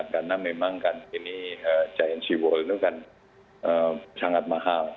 karena memang kan ini giant seawall itu kan sangat mahal